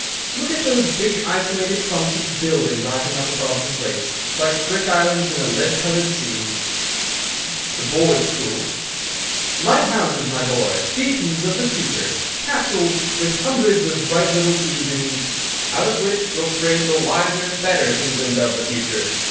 "Look at those big, isolated clumps of building rising up above the slates, like brick islands in a lead coloured sea." "The board schools." "Light houses, my boy! Beacons of the future! Capsules with hundreds of bright little seeds in each, out of which will spring the wise, better England of the future.